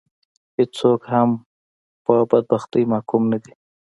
هېڅوک هم پر بدبختي محکوم نه دي